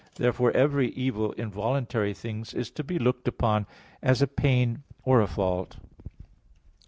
Therefore every evil in voluntary things is to be looked upon as a pain or a fault.